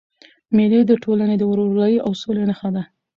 مېلې د ټولني د ورورولۍ او سولي نخښه ده.